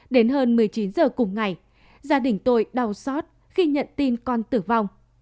đến hơn một mươi chín giờ cùng ngày gia đình tôi đau xót khi nhận tin con tử vong